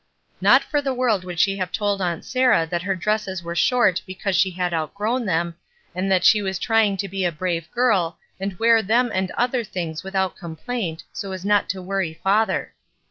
Not for the world would she have told Aunt Sarah that her dresses were short because she had outgrown them, and that she was trying to be a brave girl and wear them and other things without complaint, so as not to worry father.